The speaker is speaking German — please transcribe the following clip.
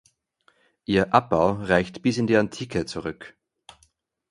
Ihr Abbau reicht bis in die Antike zurück.